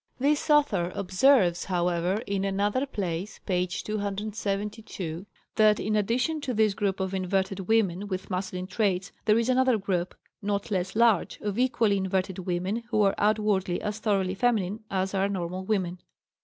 This author observes, however, in another place (p. 272) that, in addition to this group of inverted women with masculine traits there is another group, "not less large," of equally inverted women who are outwardly as thoroughly feminine as are normal women.